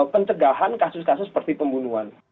pencegahan kasus kasus seperti pembunuhan